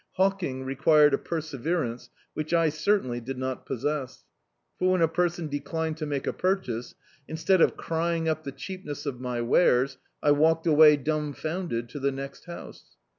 Hawking required a perse verance which I certainly did not possess. For when a person declined to make a purchase, instead of crying up the cheapness of my wares, I walked away dumbfounded to the next house.